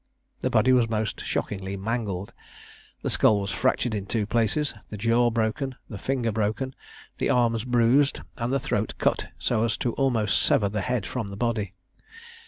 The body was most shockingly mangled, the skull was fractured in two places, the jaw broken, a finger broken, the arms bruised, and the throat cut so as almost to sever the head from the body.